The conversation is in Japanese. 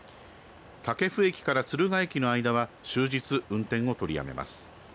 武生駅から敦賀駅の間は終日、運転を取りやめます。